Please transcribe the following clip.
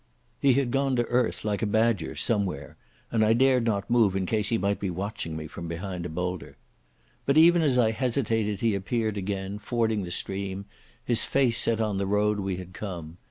He had gone to earth like a badger somewhere, and I dared not move in case he might be watching me from behind a boulder. But even as I hesitated he appeared again, fording the stream, his face set on the road we had come.